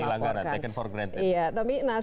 seperti langganan taken for granted